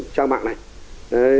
trang mạng này